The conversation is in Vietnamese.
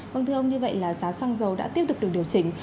vâng thưa ông như vậy là giá xăng dầu đã tiếp tục được điều chỉnh